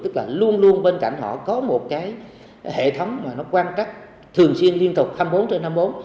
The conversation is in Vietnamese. tức là luôn luôn bên cạnh họ có một cái hệ thống mà nó quan trắc thường xuyên liên tục hai mươi bốn trên hai mươi bốn